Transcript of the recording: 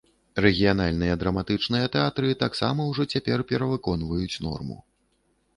Рэгіянальныя драматычныя тэатры таксама ўжо цяпер перавыконваюць норму.